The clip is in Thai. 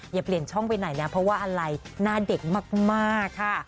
อย่าเปลี่ยนช่องไปไหนนะเพราะว่าอะไรหน้าเด็กมากค่ะ